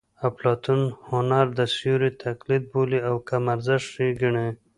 اپلاتون هنر د سیوري تقلید بولي او کم ارزښته یې ګڼي